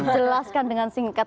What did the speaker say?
jelaskan dengan singkat